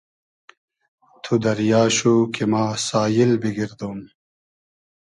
تو دئریا شو کی ما ساییل بیگئردوم